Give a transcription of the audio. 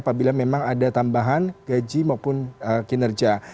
apabila memang ada tambahan gaji maupun kinerja